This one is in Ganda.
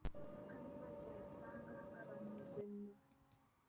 Bakazibaggya yasanganga banyiize nnyo.